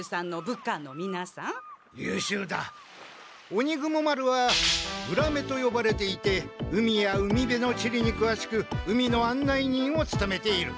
鬼蜘蛛丸は浦眼とよばれていて海や海辺の地理にくわしく海の案内人をつとめている。